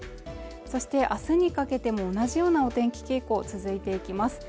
そして明日にかけても同じようなお天気傾向続いていきますね